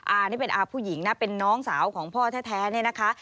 นี่เป็นอาผู้หญิงนะเป็นน้องสาวของพ่อแท้เนี่ยนะคะ